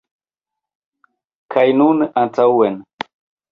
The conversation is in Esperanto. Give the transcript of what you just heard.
Kaj nun antaŭen!